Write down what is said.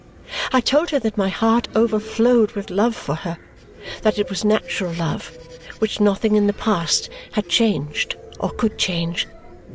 I told her that my heart overflowed with love for her, that it was natural love which nothing in the past had changed or could change.